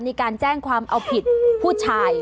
ในการแจ้งความเอาผิดผู้ชาย